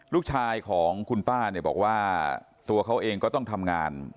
ลูกชายของคุณป้าเนี่ยบอกว่าตัวเขาเองก็ต้องทำงาน